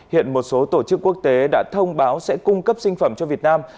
hiện một số tổ chức quốc tế đã thông báo sẽ cung cấp sinh phẩm cho việt nam